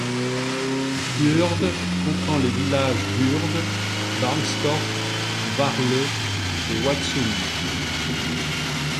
Uehrde comprend les villages d'Uehrde, Barnstorf, Warle et Watzum.